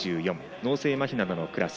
脳性まひなどのクラス。